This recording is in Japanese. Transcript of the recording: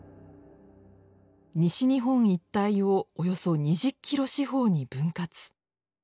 西日本一帯をおよそ２０ｋｍ四方に分割。